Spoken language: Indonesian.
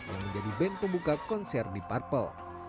yang menjadi band pembuka konser deep purple